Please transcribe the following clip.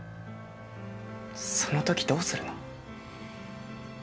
その時どうするの？